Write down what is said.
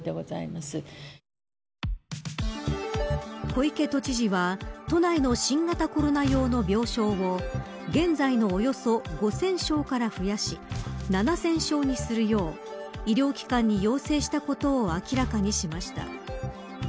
小池都知事は都内の新型コロナ用の病床を現在のおよそ５０００床から増やし７０００床にするよう医療機関に要請したことを明らかにしました。